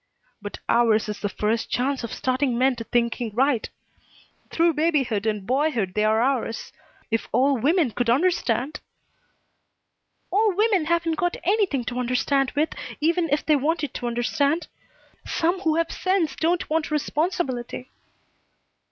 "But ours is the first chance at starting men to thinking right. Through babyhood and boyhood they are ours. If all women could understand " "All women haven't got anything to understand with even if they wanted to understand. Some who have sense don't want responsibility."